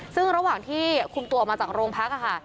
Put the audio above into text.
ซึ่งระหว่างที่คุมตัวออกมาจากโรงพักค่ะ